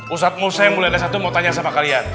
ustadz musa yang mulai dari satu mau tanya sama kalian